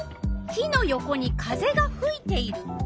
火の横に風がふいている。